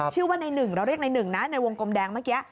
ชื่อว่าในหนึ่งเราเรียกในหนึ่งนะในวงกลมแดงเมื่อกี้